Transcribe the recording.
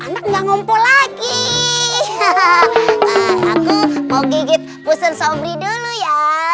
nggak ngumpul lagi hahaha aku mau gigit pusat sombri dulu ya